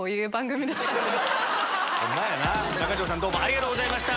中条さんどうもありがとうございました。